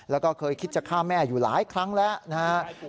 แล้วก็เคยคิดจะฆ่าแม่อยู่หลายครั้งแล้วนะครับ